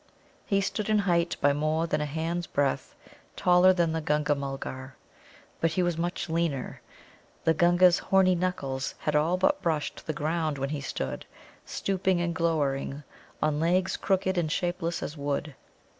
He stood in height by more than a hand's breadth taller than the Gunga mulgar. But he was much leaner. The Gunga's horny knuckles had all but brushed the ground when he stood, stooping and glowering, on legs crooked and shapeless as wood.